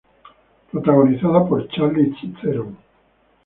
Protagonizada por Charlize Theron.